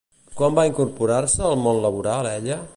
Quan va incorporar-se al món laboral ella?